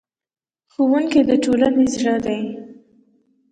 ښوونځی د ټولنې زړه دی